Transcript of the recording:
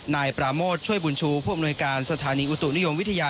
นายปราโมทช่วยบุญชูผู้อำนวยการสถานีอุตุนิยมวิทยา